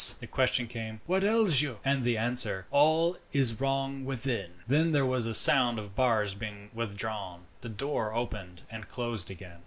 The question came, "What ails you?" And the answer, "All is wrong within." Then there was a sound of bars being withdrawn, and the door opened and closed again.